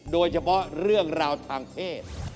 โดยเฉพาะเรื่องราวทางเพศ